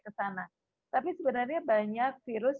ke sana tapi sebenarnya banyak virus